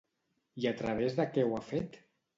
I a través de què ho han fet?